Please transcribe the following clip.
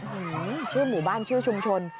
ชื่อหมู่บ้านชื่อชุมชน